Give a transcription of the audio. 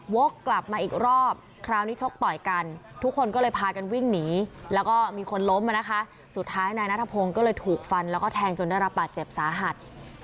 กลับมาอีกรอบคราวนี้ชกต่อยกันทุกคนก็เลยพากันวิ่งหนีแล้วก็มีคนล้มมานะคะสุดท้ายนายนัทพงศ์ก็เลยถูกฟันแล้วก็แทงจนได้รับบาดเจ็บสาหัส